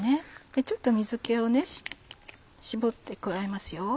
ちょっと水気を絞って加えます。